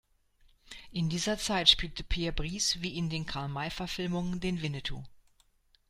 In dieser Zeit spielte Pierre Brice wie in den Karl-May-Verfilmungen den Winnetou.